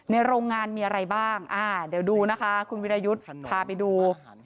โรงงานมีอะไรบ้างเดี๋ยวดูนะคะคุณวิรายุทธ์พาไปดู